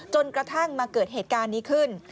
จนกระทั่งมาเกิดเหตุการณ์นี้ขึ้น